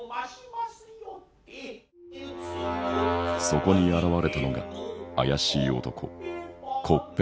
そこに現れたのが怪しい男コッペパン。